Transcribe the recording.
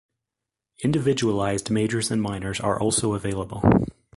Individualized majors and minors are also available.